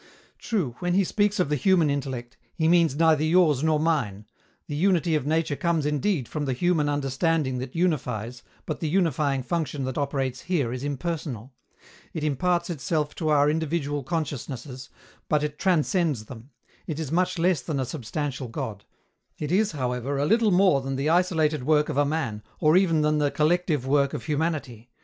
True, when he speaks of the human intellect, he means neither yours nor mine: the unity of nature comes indeed from the human understanding that unifies, but the unifying function that operates here is impersonal. It imparts itself to our individual consciousnesses, but it transcends them. It is much less than a substantial God; it is, however, a little more than the isolated work of a man or even than the collective work of humanity.